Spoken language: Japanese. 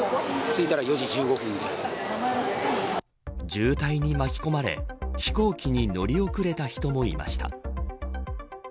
渋滞に巻き込まれ飛行機に乗り遅れた人もいました。